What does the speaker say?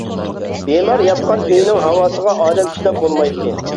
بىمار ياتقان ئۆينىڭ ھاۋاسىغا ئادەم چىداپ بولمايتتى.